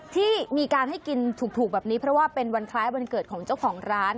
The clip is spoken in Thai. ที่มีการให้กินถูกแบบนี้เพราะว่าเป็นวันคล้ายวันเกิดของเจ้าของร้าน